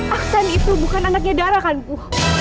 aksan itu bukan anaknya darah kan bu